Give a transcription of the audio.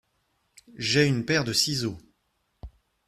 J'ai une paire de siceaux.